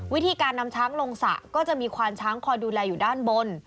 วิธีการนำช้างลงสระก็จะมีควานช้างคอยดูแลอยู่ด้านบน